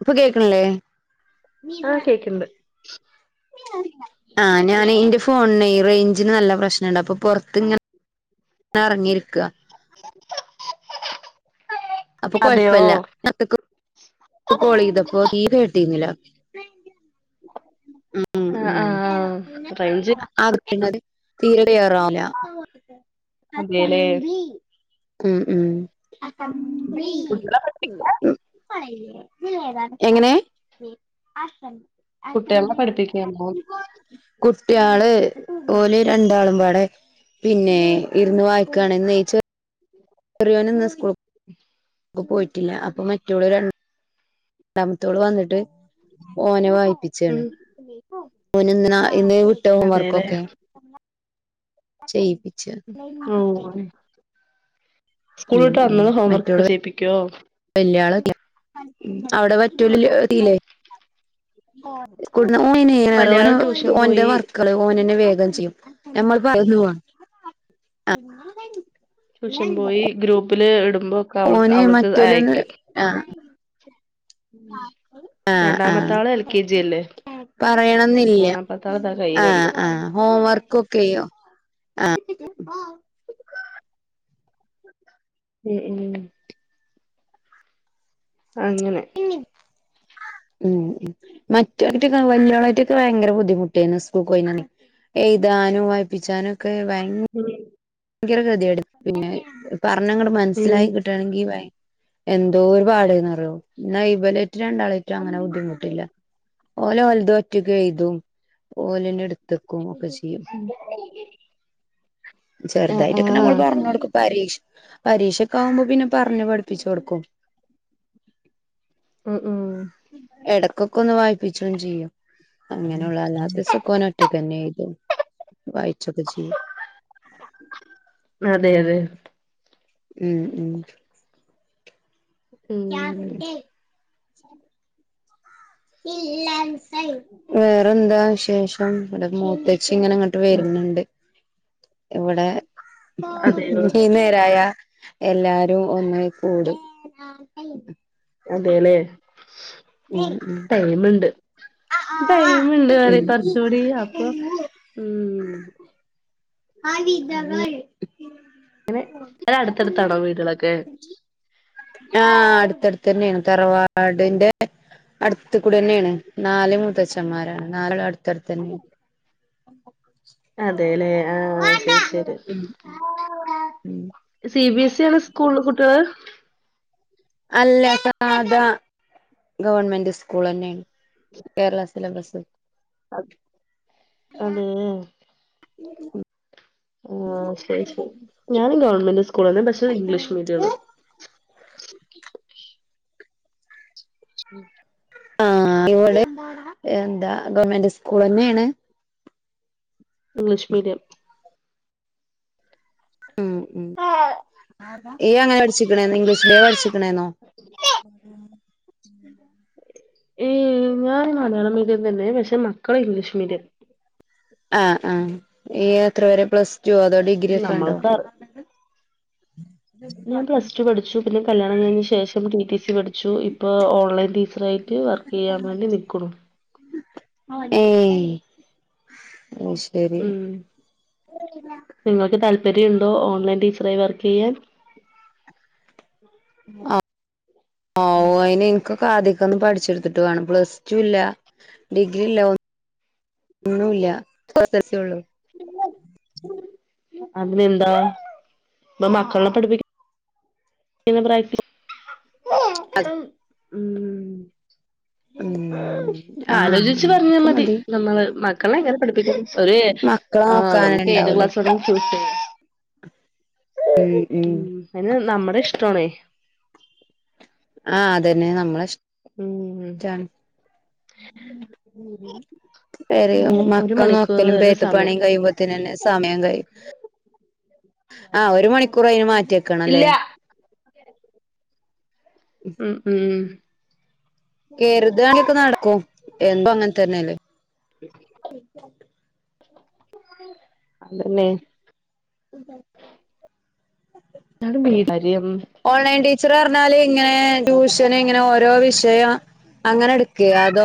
ഇപ്പൊ കേക്കണല്ലേ? ആഹ് കേക്ക്ണ്ട് [unintelligible] ആ ഞാന് ഇന്റെ ഫോണിനെയ് റേഞ്ചിന് നല്ല പ്രശ് നണ്ടപ്പൊ പൊർത്ത് ഇങ്ങനെറങ്ങിരിക്ക അപ്പൊ അതെയോ കൊഴപ്പല്ല. [unintelligible] കോൾ ചെയ്തപ്പോ തീരെ ട്ടീന്നില്ല ആ ആഹ് റേയജ് തീരടെയറാവല അതേല്ലേ ഉം ഉം കുട്ടികളെ എങ്ങനെ? കുട്ടികളെ പഠിപ്പിക്കാണോ [unintelligible] കു കെട്ടിയോൾ ഓല് രണ്ടാളും പാടെ പിന്നെ ഇരുന്ന്വായിക്കാ ണ്. നീച്ച റിയോൻ ഇന്ന് സ്കൂ ക്ക് പോയിട്ടില്ല അപ്പൊ മറ്റോല് ര രണ്ടാമത്തോള് വന്നിട്ട് ഓന് വായിപ്പിച്ചാണ് ഉം ഓന് ന്ന് ഇന്ന് വിട്ട ഹോം അതേല്ലേ വർക്കൊക്കെ ചെയ്യി- ഓന് സ്കൂൾ ഉം വിട്ട് വന്ന് ഹോംവർക്ക് ഒക്കെ ചെയ്യിപ്പിക്വോ? ല്യ ആളല്ല അവടെ പറ്റൂലല്ലേ [unintelligible] ഓന് എങ്ങനെ അറി വലിയാള് ഓന് ട്യൂഷൻ ഓന്റെ പോയി വർക്ക് ആള് ഓനെന്നെ വേഗം ചെയ്യും നമ്മള് പലതുംവാ [unintelligible] ഷം പോയി ഗ്രൂപ്പില് ഇടുമ്പോ ഒക്കെ അവൾക്ക് ഓന് അവൾക്ക് മറ്റോലൊന്ന് അയക്കും ആ ങാ... ങാ... രണ്ടാമത്തെ ആള് എൽ കെ ജി അല്ലേ പറയണംന്നില്ല. മൂന്നാമത്തെ ആള് ഇതാ ങാ.. കയ്യിലുണ്ട് ങാ.. ഹോം വർക്കൊക്കെയ്യോ ങാ.. മ്മ്മ്..... അങ്ങനെ.. മ്മ്.. മ്മ്.. മറ്റോന്ട്ടൊക്കെ വല്യോളെറ്റൊക്കെ ഭയങ്കര ബുദ്ധിമുട്ടേയ്‌നു സ്കൂൾക്കോയിനേന്. എയ്താനും, വായിപ്പിച്ചാനുക്കെ വയ ഉം ങ്കര ഗതിയേടേയ്‌നു പിന്നെ പറഞ്ഞങ്ങട് ഉം മനസ്സിലായി കിട്ടേണെങ്കി വയ്‌ എന്തോരു... പാടായ്‌ര്ന്നറ്യോ.. ഇന്നാ ഇബലറ്റ് രണ്ടാളേറ്റും അങ്ങനെ ബുദ്ധിമുട്ടില്ല. ഓല് ഓലത് ഒറ്റക്കെയ്‌തും. ഓലന്നെ എട് ക്കും ഒക്കെ ചെയ്യും... ആഹ് ചെറുതായിട്ടൊക്കെ നമ്മൾ ആഹ് പറഞ്ഞൊട്ക്കും പ രീക്ഷ പരീക്ഷക്കാവുമ്പോ പിന്നെ പറഞ്ഞ് പഠിപ്പിച്ച്കൊട്ക്കും. ഉം.. ഉം... ക്കൊക്കൊന്ന് വായിപ്പിച്ചും ചെയ്യും. അങ്ങനെയുള്ള അല്ലാത്തീസക്കോനൊറ്റക്കന്നെയ്തും. വായിച്ചൊക്കെച്ചെയ്യും.. അതെ.. അതെ... ഉം.. ഉം.. ഉം വേറെന്താ.. വിശേഷം... ടെമൂത്ത ച്ചി ഇങ്ങനങ്ങട്ട് വര്ണുണ്ട്.. ഇവിടെ. അതെയോ ഈനേരായാ... എല്ലാരും ഒന്നായി കൂടും. അതേല്ലേ... ഉം ഉം ടൈമുണ്ട്. ടൈമുണ്ട് പറയ് ഉം കുറച്ചൂടി.. അപ്പൊ.. ഉം... [unintelligible] അങ്ങനെ.. അ.. അടുത്തടുത്താണോ വീടുകളൊക്കെ...? തറവാ.. ടി.. ന്റെ... അടുത്ത്കൂടെന്നേണ്.. നാല് മൂത്തഛന്മാരാണ്.. നാലളട്ത്തട്ത്തന്നേണ്. [inaudible] ങാഹ്... ശരി.. ശരി.. ഉം ഉം സി ബി എസ് ള് സ്കൂളിലാകുട്ടികൾ.... അല്ല.. സാധാ... ഗവൺമെന്റ് സ്കൂളന്നേണ്. കേരള സിലബസ്. അ.. അതെ... ഉം. ഓ... ശരി.. ശരി.. ഞാനും ഗവൺമെന്റ് സ് സ്കൂളന്നെ പക്ഷേ... അത് ഇംഗ്ലീഷ് മീഡിയാണ്. ഉം. ങാ... ഇവടെ.. എന്താ... ഗവൺമെന്റ് സ്കൂളന്നേണ്. English medium. ഉം.. ഉം.. യ്യ്യും അങ്ങനെ പഠിച്ച്ക്കണേ... ഇംഗ്ലീഷ് മീഡിയാ പഠിച്ച്ക്കണേനോ..? ഉം. ഞാൻ മലയാളം മീഡിയം തന്നെ. പക്ഷേ മക്കള് ഇംഗ്ലീഷ് മീഡിയം. ആ ആ ഈയെത്ര വരെ പ്ലസ് റ്റ്വോ അതോ ഡിഗ്രി ഒക്കണ്ടോ? നമ്മൾക്ക് ഞാൻ പ്ലസ്റ്റു പഠിച്ചു. പിന്നെ കല്യാണം കഴിഞ്ഞ ശേഷം ടി ടി സി പഠി ച്ചൂ ഇപ്പ ഓൺലൈൻ ടീച്ചറായിട്ട് വർക്കെയ്യാൻ വേണ്ടി നിക്ക്ണു. ഏയ് അത് ശരി ഉം നിങ്ങൾക്ക് താല്പ പര്യണ്ടോ ഓൺലൈൻ ടീച്ചറായി വർക്ക്യ്യാൻ? ആ ഓ അയിന് എനിക്കൊക്കെ ആദിക്കന്ന് പഠിച്ചെടുത്തിട്ട് വേണം. പ്ലസ് ടു ഇല്ല. ഡിഗ്രി ഇല്ല. ഒ ഒന്നുല്ല്യ [unintelligible] സ്യേള്ളൂ. ഉ അതിനെന്താ ഇപ്പ മക്കൾനെ പഠിപ്പിക്ക [unintelligible] അത് ഊം ഉം ആഹ് ആലോചിച്ച് അങ്ങനൊക്കെ പറഞ്ഞാമതി. മതി നമ്മള് മക്കളെ എങ്ങനെ പഠിപ്പിക്കും? ഒര് മക്കളെ ആ നോക്കാനന്നെ നമുക്ക് ഏത് ഇണ്ടാവൂലേ ക്ലാസ്സ്‌ വേണോന്ന് ചോച്ചേ ഉം അതിന് നമ്മുടെ ഇഷ്ട്ടോണേ ആ അതന്നെ നമ്മള് ഉം [unintelligible] വേറെ ഉം ഒരു മക്കള മണിക്കൂർ നോക്കലും വരെ പേത്ത സമയം പണിം കഴിയുമ്പോത്തേന്നെ സമയം കഴിയും. ആ ഒരു മണിക്കൂർ അയിന് ഇല്ല മാറ്റിവെക്കണല്ലേ? ഉം ഉം കെരുതാണങ്കെക്കെ നടക്കും. എന്തും അങ്ങനതന്നല്ലേ? അതന്നെ ഉം [unintelligible] കാര്യം ച്ചറ് പറഞ്ഞാല് ഇങ്ങനെ ട്യൂഷന് ഇങ്ങനെ ഓരോ വിഷയം അങ്ങനെ എടുക്കേ? അതോ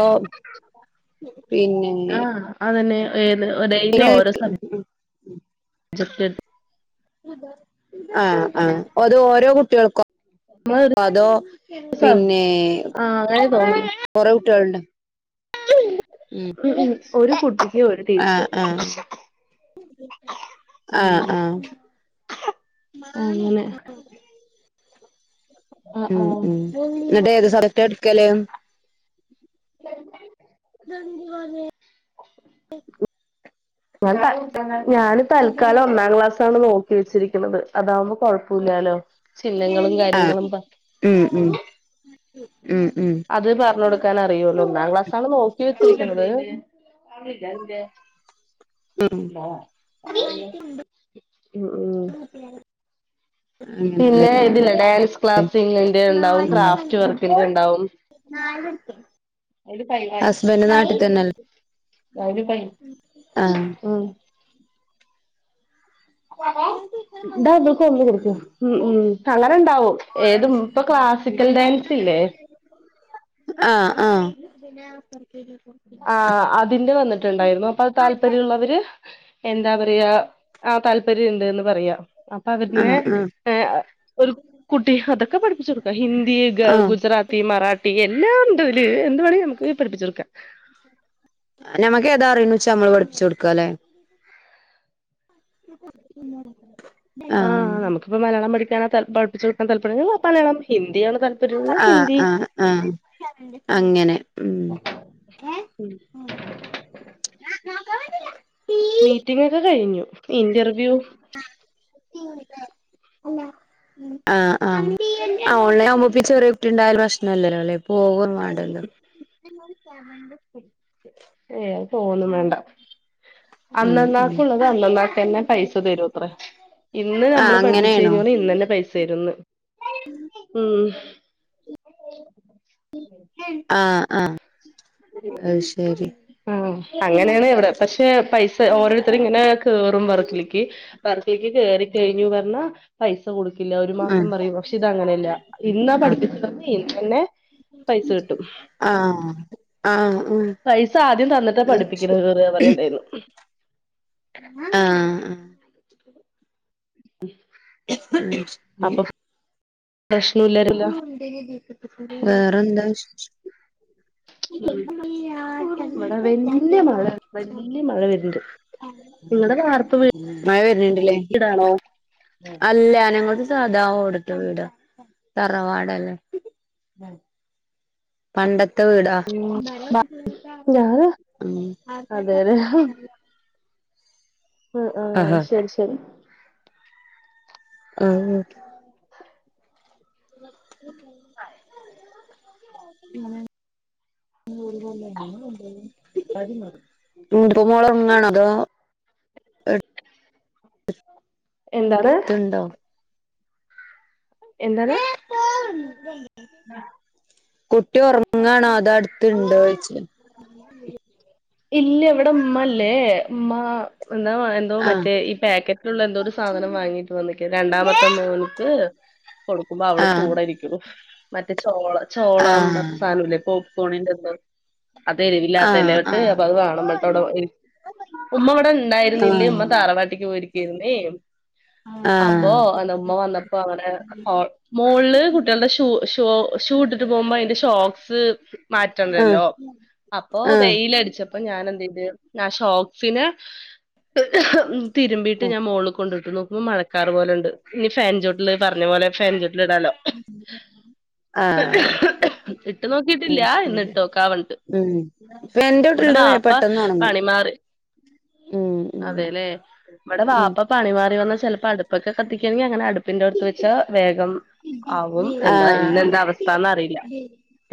പിന്നെ ആഹ് അതന്നെ ഏത് ഡെയിലി പിന്നെ ഓരോ സബ് ജക്റ്റ് ആ ആ അത് ഓരോ കുട്ടികൾക്കോ? നമ്മള് അതോ? ഒരു സ പിന്നെ ആഹ് അങ്ങനെ തോന്നി കൊറ കുട്ടികളുണ്ട്. ഉം ഉം ഒരു കുട്ടിക്ക് ഒരു ടീച്ചറ് ആ ഉം ആ അങ്ങനെ ആഹ് ഉം ആഹ് ഉം എന്നിട്ട് ഏത് സ ട്ടാടുക്കല് ഞാൻ തത്കാലം ഞാന് തൽക്കാലം ഒന്നാം ക്ലാസ്സാണ് നോക് ക്യേച്ചിരിക്കുന്നത്. അതാവുമ്പോ കൊഴപ്പൂല്ലാലോ. ചിഹ്നങ്ങളും ആഹ് കാര്യങ്ങളും പ ഉം ഉം ഉം ഉം അത് പറഞ്ഞൊടുക്കാനറിയൊള്ളൂ. ഒന്നാം ക്ലാസ് ആണ് നോക്കി വെച്ചിരിക്കുന്നത്. അവിടില്ലേ അന്റെ ഉം ഉം ഉം അങ്ങനെല്ലേ പിന്നെ ഇതില്ലേ ഡാൻസ് ക്ലാസിൻന്റെണ്ടാവും ക്രാഫ്റ്റ് വർക്കിന്റെണ്ടാവും ഹസ്ബൻഡ് നാട്ടിൽ തന്നെല്ലേ [unintelligible] [unintelligible] ഉം [unintelligible] ഉം ഉം ണ്ടാവും ഏതും ഇപ്പ ആഹ് ക്ലാസിക്കൽ ഡാൻസ് ഇല്ലേ? ആഹ ആഹ ആഹ അതിന്റെ വന്നിട്ടുണ്ടായിരുന്നു അപ്പൊ അത് താല്പര്യമുള്ളവര് എന്താ പറയാ ആ താല്പര്യണ്ട്ന്ന് പറയാ അപ്പൊ അവരനെ ഒരു കുട്ടി അതൊക്കെ പഠിപ്പിച്ചു കൊടുക്കാം ഹിന്ദി ആഹ് ഗുജറാത്തി ത്തി മറാട്ടി എല്ലാം ഉണ്ടതില് എ വേണെങ്ക നമുക്ക് പഠിപ്പിച്ച് കൊടുക്കാം ഞമ്മക്ക് ഏതാ അറിയുന്നു ച്ച ഞമ്മൾ പഠിപ്പിച്ചു കൊടുക്ക ല്ലേ ആഹ് നമുക്കിപ്പോ മലയാളം പഠിക്കാനോ ത പഠിപ്പിച്ച കൊടുക്കാൻ താല്പര്യ മലയാളം ഹിന്ദിണ ആഹ ആഹ ആഹ അങ്ങനെ ഉ മീറ്റിംഗ് ഒക്കെ കഴിഞ്ഞു ഇന്റർവ്യൂ. ആ ആ ഓൺലൈൻ [unintelligible] ണ്ടായല് പ്രശ്നല്ലല്ലോ അല്ലേ പോകന്ന് വേണ്ടല്ലോ. ഏ അത് പോകുന്നു വേണ്ട. ഉം ഉം അന്നന്നാക്ക് ഉള്ളത് അന്നന്നാക്ക് തന്നെ. പൈസ തരൂ അത്ര, ഇന്ന് ആഹ് നമ്മള് പഠിപ്പിച്ചു അങ്ങനെയാണോ കഴിഞ്ഞല് ഇന്ന് തന്നെ പൈസ തരുന്ന്. ഉം ആ ആ. അത് ശരി. ആ അങ്ങനെയാണ് എവിടെ പക്ഷെ പൈസ ഓരോരുത്തരും ഇങ്ങനെ കേറും വർക്കിലേക്ക് ലേക്ക് കേറി കഴിഞ്ഞു വരുന്ന പൈസ. കൊടുക്കില്ല ഒരു മാസം ആഹ് പറയും, പക്ഷെ ഇത് അങ്ങനെയല്ല ഇന്ന് പഠിപ്പിച്ച പറഞ്ഞ് ഇന്ന് തന്നെ. ആ ആ. പൈസ ആദ്യം തന്നിട്ട് [unintelligible] പറയുണ്ടായിരുന്നു. ആഹ. അപ്പൊ പ്രശ്നമില്ലാരുല്ല വേറെ എന്താ വിശേഷം. ഇവിടെ വല്യ മഴ വല്യ മഴ വരുന്നുണ്ട് നിങ്ങടെ വാർപ്പ് വീ മഴ വരുന്നണ്ടല്ലേ, അല്ല ഞാനങ്ങോട്ട്. അത് സാധാ ഓടിട്ട വീടാ തറവാടല്ലേ. പണ്ട ത്തെ വീടാ. ഞാന് അതെല്ലെ ആ ആ ശരി ശരി. ആ ഹ്. ആ [unintelligible] മൂത്ത മോള് ഉറങ്ങണതോ. എന്താണ്. അടുത്തുണ്ടോ എന്താണ്. കുട്ടി ഉറങ്ങണോ, അതോ അടുത്ത് ഇണ്ടോ യ്ച്ച ഇല്ല വിടെ ഉമ്മ ഇല്ലേ ഉമ്മ. എന്താ എന്തോ ആഹ് മറ്റേ ഈ പാക്കറ്റിലുള്ള എന്തോ ഒരു സാധനം വാങ്ങീട്ട് വന്നിക്ക് രണ്ടാമത്തെ മോനിക്ക് കൊടുക്കുമ്പോ അവള് ആഹ് കൂടെ ഇരിക്കും മറ്റേ ചോള ചോള എന്നു പറഞ്ഞ ആഹ് സാനമില്ല ഇപ്പൊ ഫോണിനാന്ത്, അത് ഇല്ലാത്ത ആഹ് അതിലോട്ട് അപ്പൊ അത് [unintelligible] ഉമ്മ ഇവിടെ ഉണ്ടായിരുന്നില്ലേ, ആഹ് ഉമ്മ തറവാട്ടിക്ക് പോയിരിക്കയിന്നേ. ആഹ് അപ്പോ ഉമ്മ വന്നപ്പോ അവിടെ മോളില് കുട്ടികളുടെ ഷൂ ഷോ ഷൂട്ടിട്ട് പോകുമ്പോ അന്റെ ഷോക്സ്. ആഹ് മാറ്റണ്ടല്ലോ അപ്പൊ ആഹ് ആഹ് വെയിലടിച്ചപ്പോ ഞാൻ എന്ത് യ്തു ആ ഷോക്സന് തിരുമ്പീയിട്ട് ഞാൻ മോളിൽ കൊണ്ടിട്ടുന്നു മഴക്കാറ് പോല ഉണ്ട് ഇനി ഫാൻ ചോട്ടിൽ പറഞ്ഞ പോലെ ഫാൻോട്ടിൽ ടാലോ. ആഹ് [unintelligible] ഉം നോക്കിയിട്ടില്ല ഇന്ന് ശരി ഇട്ട് നാക്ക വി് ഉം ഫാനിന്റെ ഇവിടെ ചോട്ടിലിട്ടാ വാപ്പ പെട്ടെന്ന് ഉണങ്ങും പണിമാറി. ഉം ഉം അതെല്ലെ ഇവിടെ ഉം വാപ്പ പണി മാറി വന്ന ചിലപ്പോ അടുപ്പൊക്കെ കത്തിക്കയാണെങ്കിൽ അങ്ങനെ അടു പ്പിന്റെറ അടുത്ത് വെച്ച വേഗം ആവും എന്താ ഇന്ന് ആഹ് എന്താ അവസ്ഥന്ന് അറിയില്ല.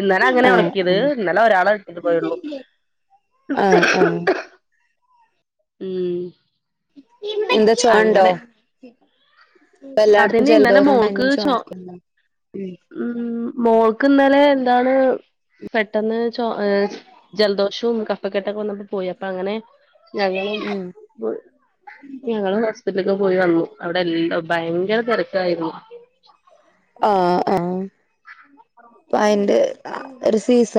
ഇന്നലെ അങ്ങനെ ആഹ് ഉറങ്ങക്കിയത്. ആഹ് ഇന്നലെ ഒരാളെ ഇട്ടിത് പോയുള്ളു. ആഹ് ആഹ് ഉം എന്താ [unintelligible] അങ്ങനെ ഇപ്പ എല്ലായിടത്തും അതന്നെ ഇന്നലെ ജലദോഷം മോൾക്ക് പനിയും ചോ ചോയൊക്കെണ്ടല്ലോ ഉം ഉം മോൾക്ക് ഇന്നലെ എന്താണ് പെട്ടെന്ന് ചോ ഹ് ജലദോഷും കഫക്കെട്ടൊക്കെ വന്നപ്പോ പോയി അപ്പൊ അങ്ങനെ ഞങ്ങളും ഉം ഞങ്ങളും ഹോസ്പിറ്റലൊക്കെ പോയി വന്നു അവിടെ എല്ലാം ഭയങ്കര തിരക്കായിരുന്നു ആഹ് ആഹ് അയിന്റെ ഒരു സീസൺ